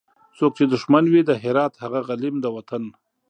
څوک چي دښمن وي د هرات هغه غلیم د وطن